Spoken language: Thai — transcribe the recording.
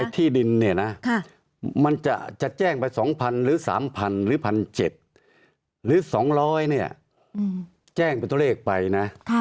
ที่ดินเนี่ยนะมันจะแจ้งไป๒๐๐๐หรือ๓๐๐๐หรือ๑๗๐๐หรือ๒๐๐เนี่ยแจ้งเป็นตัวเลขไปนะ